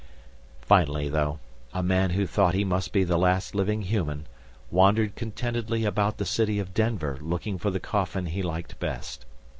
Finally, though, a man who thought he must be the last living human, wandered contentedly about the city of Denver looking for the coffin he liked best.